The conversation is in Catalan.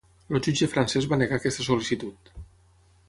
El jutge francès va negar aquesta sol·licitud.